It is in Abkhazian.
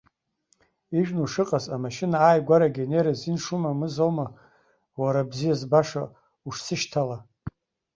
Ижәны ушыҟаз, амашьына ааигәарагьы анеира азин шумамызоума, уара, бзиа збаша, ушсышьҭала?